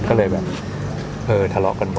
ก็เลยแบบทะเลาะกันบ้าง